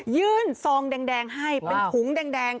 ยื่นซองแดงให้เป็นขุงแดง